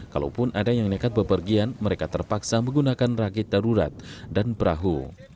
kalaupun ada yang nekat bepergian mereka terpaksa menggunakan ragit darurat dan perahu